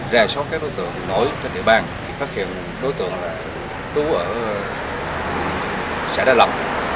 ra số các đối tượng nổi các địa bàn thì phát hiện đối tượng là tú ở xã đà lộc